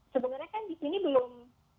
sebenarnya kan disini belum